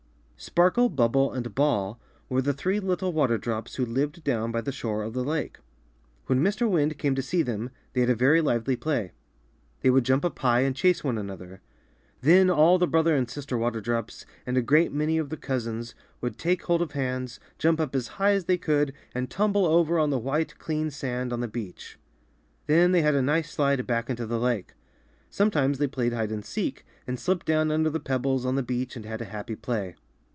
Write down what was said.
Sparkle, Bubble, and Ball were the three little water drops who lived down by the shore of the lake. When Mr. Wind came to see them, they had a very lively play. They would jump up high and chase one another. Then all the brother and sister water drops and a great many of the cousins would take hold of hands, jump up as high as they could, and tumble over on the white, clean sand on the beach. Then they had a nice slide back intd the lake. Sometimes they played hide and seek, and slipped down under the pebbles on the beach and had a happy play.